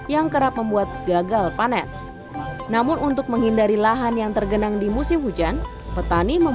yang kerap membuat gagal panen namun untuk menghindari lahan yang tergenang di musim hujan